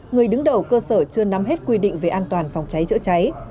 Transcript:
người đứng đầu cơ sở chưa nắm hết quy định về an toàn phòng cháy chữa cháy